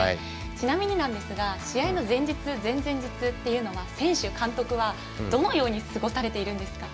ちなみになんですが試合前日、前々日は選手・監督はどのように過ごされているんですか。